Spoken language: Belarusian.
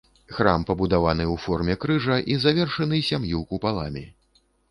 Храм пабудаваны ў форме крыжа і завершаны сям'ю купаламі.